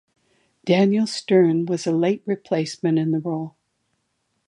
Daniel Stern was a late replacement in the role.